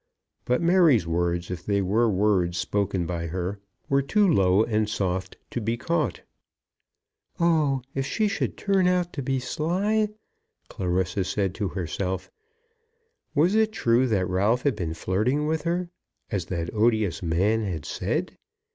But Mary's words, if they were words spoken by her, were too low and soft to be caught. "Oh, if she should turn out to be sly!" Clarissa said to herself. Was it true that Ralph had been flirting with her, as that odious man had said?